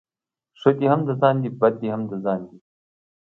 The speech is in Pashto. ښه دي هم د ځان دي ، بد دي هم د ځآن.